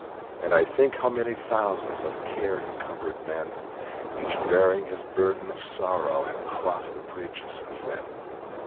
And I think how many thousands Of care encumbered men, Each bearing his burden of sorrow, Have crossed the bridge since then.